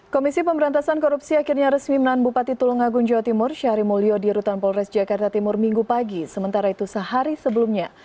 komisi pemberantasan korupsi akhirnya resmi menahan bupati tulungagung jawa timur syahri mulyo di rutan polres jakarta timur minggu pagi sementara itu sehari sebelumnya